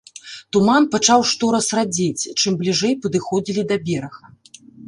Туман пачаў штораз радзець, чым бліжэй падыходзілі да берага.